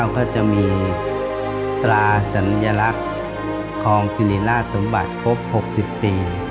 ก็จะมีตราสัญลักษณ์ทองสิริราชสมบัติครบ๖๐ปี